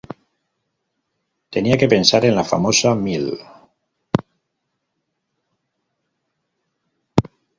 Tenía que pensar en la famosa Mlle.